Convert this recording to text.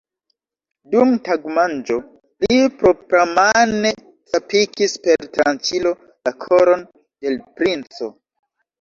Dum tagmanĝo li propramane trapikis per tranĉilo la koron de l' princo!